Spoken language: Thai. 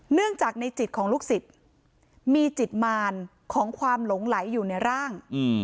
เนื่องจากในจิตของลูกศิษย์มีจิตมารของความหลงไหลอยู่ในร่าง